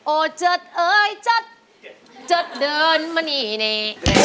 โอ้เจ็ดเอ้ยเจ็ดเจ็ดเดินมานี่นี่